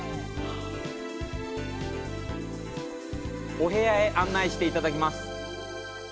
お部屋へ案内していただきます。